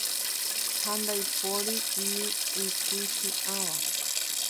ha ndaipóri ni itĩchiãva